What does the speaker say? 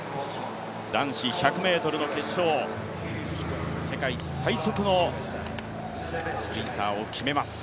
男子１００ｍの決勝、世界最速のスプリンターを決めます。